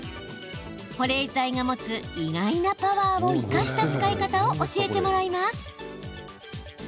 保冷剤が持つ意外なパワーを生かした使い方を教えてもらいます。